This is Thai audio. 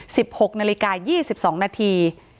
หกนาฬิกายี่สิบสองนาที